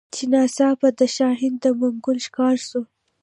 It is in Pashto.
چي ناڅاپه د شاهین د منګول ښکار سو